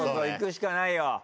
行くしかないよ。